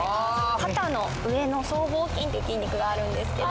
肩の上の僧帽筋っていう筋肉があるんですけど。